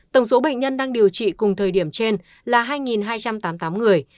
tổng số bệnh nhân đang điều trị cùng thời điểm trên là hai hai trăm tám mươi tám người